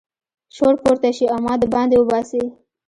شور پورته شي او ما د باندې وباسي.